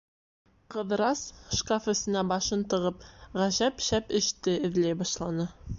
Ҡыҙырас, шкаф эсенә башын тығып, ғәжәп шәп эште эҙләй башланы.